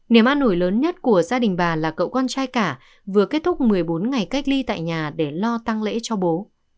niềm an ủi lớn nhất của gia đình bà là cậu con trai cả vừa kết thúc một mươi bốn ngày cách ly tại nhà để lo tăng lễ cho bố